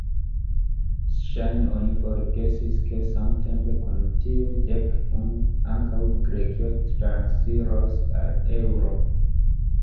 Ŝajne oni forgesis ke samtempe kun tiuj dek unu, ankaŭ Grekio transiros al eŭro.